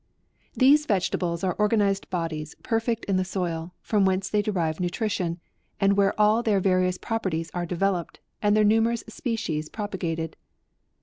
These vegetables are organized bodies perfect in the soil, from whence they derive nutrition, and where all their various prop erties are developed and their numerous species propagated.